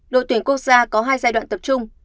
đội tuyển quốc gia có hai giai đoạn tập trung